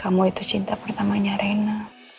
kamu itu cinta pertamanya reina